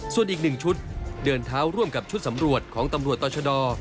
ส่วนอีก๑ชุดเดินเท้าร่วมกับชุดสำรวจของตำรวจต่อชะดอ